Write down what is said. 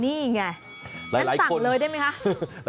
นี่ไงงั้นสั่งเลยได้ไหมคะ